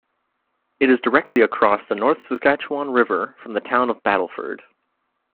It is directly across the North Saskatchewan River from the Town of Battleford.